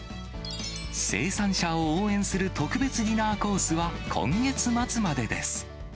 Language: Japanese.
生産者を応援する特別ディナーコースは、今月末までです。